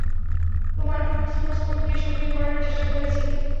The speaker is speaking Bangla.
তোমার সোর্স কোডকে সক্রিয় করার চেষ্টা করেছি!